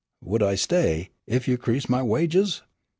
"Would I stay, ef you 'crease my wages?